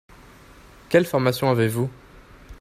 Quelle formation avez-vous ?